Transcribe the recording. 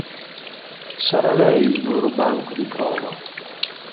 Sarà lei il loro banco di prova.